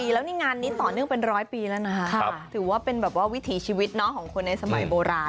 เลยเนี่ย